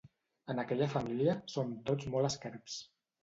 En aquella família, són tots molt esquerps.